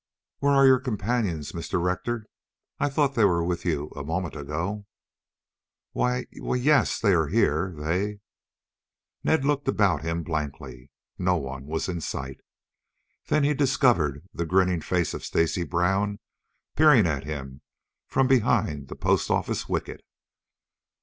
"Where are your companions, Mr. Rector? I thought they were with you a moment ago?" "Wh ye yes they are here, they " Ned looked about him blankly. No one was in sight. Then he discovered the grinning face of Stacy Brown peering at him from behind the postoffice wicket.